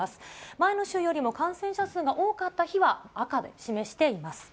前の週よりも感染者数が多かった日は赤で示しています。